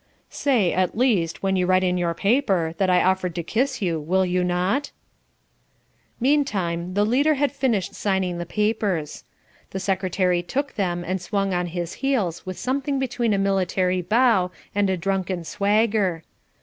"Say, at least, when you write to your paper, that I offered to kiss you, will you not?" Meantime, the leader had finished signing the papers. The secretary took them and swung on his heels with something between a military bow and a drunken swagger.